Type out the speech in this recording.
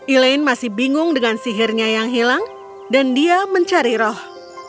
elaine masih bingung dengan sihirnya yang hilang dan dia mencari roh